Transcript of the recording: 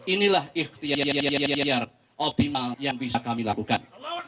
inilah ikhtiar optimal yang bisa kami lakukan